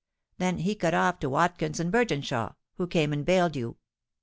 Then he cut off to Watkins and Bertinshaw, who came and bailed you.